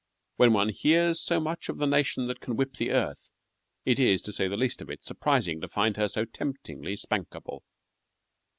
When one hears so much of the nation that can whip the earth, it is, to say the least of it, surprising to find her so temptingly spankable.